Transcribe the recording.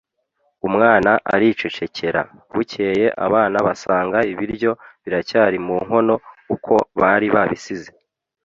Umwana aricecekera, bukeye abana basanga ibiryo biracyari mu nkono uko bari babisize